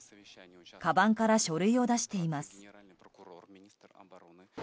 かばんから書類を出しています。